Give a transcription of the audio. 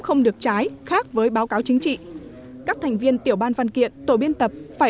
không được trái khác với báo cáo chính trị các thành viên tiểu ban văn kiện tổ biên tập phải